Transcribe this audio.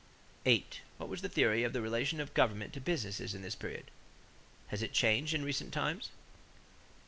8. What was the theory of the relation of government to business in this period? Has it changed in recent times?